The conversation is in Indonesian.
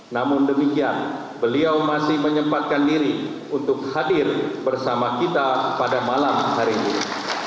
namun demikian beliau masih menyempatkan diri untuk hadir bersama kita pada malam hari ini